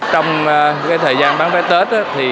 trong thời gian bán vé tết